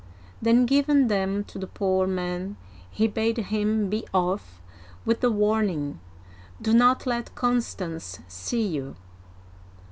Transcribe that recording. Then giving them to the poor man, he bade him be off, with the warning, " Do not let Constance see you!'